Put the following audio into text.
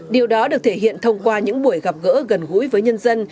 điều đó được thể hiện thông qua những buổi gặp gỡ gần gũi với nhân dân